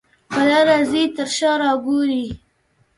په لاره ځې تر شا را ګورې.